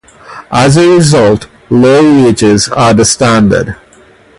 As a result, low wages are standard.